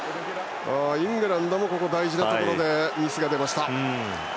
イングランドも大事なところでミスが出ました。